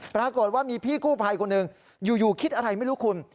ปรากฏว่ามีพี่กู้ภัยคนหนึ่งอยู่คิดอะไรไม่รู้คุณ